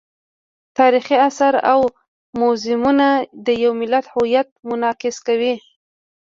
تاریخي آثار او موزیمونه د یو ملت هویت منعکس کوي.